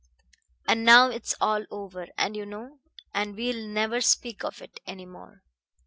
"And now it's all over, and you know and we'll never speak of it any more."